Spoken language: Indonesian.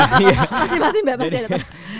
masih masih mbak masih ada waktu